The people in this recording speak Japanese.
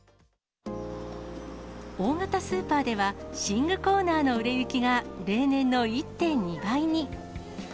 大型スーパーでは、寝具コーナーの売れ行きが、例年の１．２倍に。